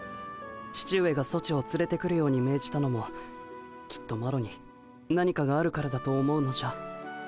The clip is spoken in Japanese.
父上がソチをつれてくるように命じたのもきっとマロに何かがあるからだと思うのじゃ。